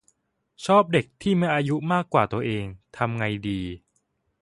ชอบเด็กที่มีอายุมากกว่าตัวเอง ทำไงดี